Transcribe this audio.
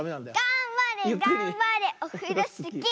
がんばれがんばれオフロスキー！